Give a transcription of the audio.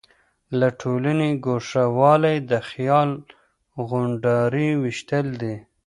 له ټولني ګوښه والی د خيال غونډاري ويشتل دي.